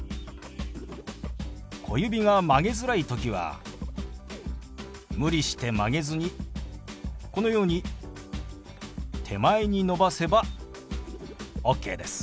小指が曲げづらい時は無理して曲げずにこのように手前に伸ばせばオッケーです。